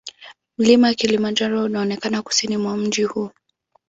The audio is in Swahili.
Mlima Kilimanjaro unaonekana kusini mwa mji huu.